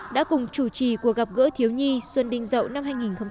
đã cùng chủ trì cuộc gặp gỡ thiếu nhi xuân đinh dậu năm hai nghìn một mươi bảy